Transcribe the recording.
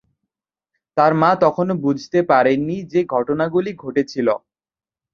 তার মা তখনও বুঝতে পারেননি যে ঘটনাগুলি ঘটেছিল।